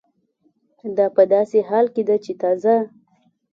دا په داسې حال کې ده چې تازه